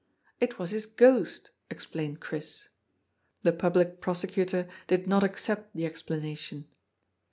'^ It was his ghost," explained Chris. The Public Prosecutor did not accept the explanation.